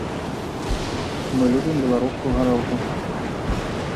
Мы любім беларускую гарэлку.